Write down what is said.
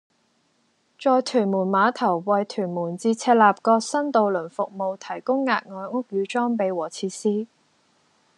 在屯門碼頭為屯門至赤鱲角新渡輪服務提供額外屋宇裝備和設施